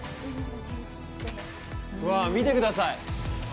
うわ、見てください。